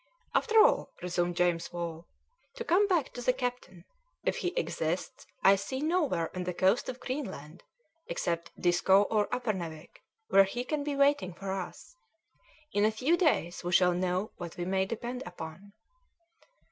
"After all," resumed James Wall, "to come back to the captain, if he exists, I see nowhere on the coast of Greenland except Disko or Uppernawik where he can be waiting for us; in a few days we shall know what we may depend upon."